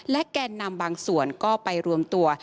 แกนนำบางส่วนก็ไปรวมตัว